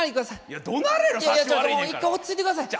一回落ち着いてください。